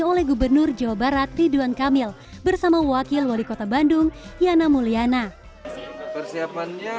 oleh gubernur jawa barat ridwan kamil bersama wakil wali kota bandung yana mulyana persiapannya